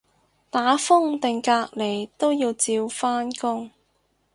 打風定隔離都要照返工